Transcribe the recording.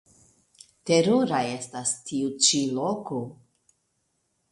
Terura estas tiu ĉi loko.